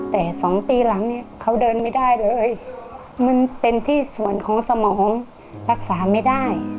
แต่๒ปีหลังเนี่ยเขาเดินไม่ได้เลยมันเป็นที่ส่วนของสมองรักษาไม่ได้